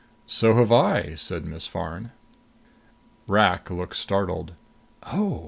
"So have I," said Miss Farn. Rak looked startled. "Oh!"